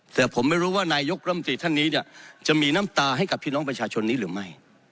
แต่ผมไม่รู้ว่านายกรัมตรีท่านนี้เนี่ยจะมีน้ำตาให้กับพี่น้องประชาชนนี้หรือไม่